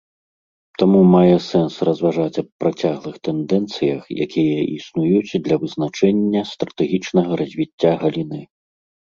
Таму мае сэнс разважаць аб працяглых тэндэнцыях, якія існуюць для вызначэння стратэгічнага развіцця галіны.